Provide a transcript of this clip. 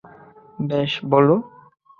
বেশ, বলো।